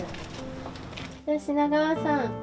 品川さん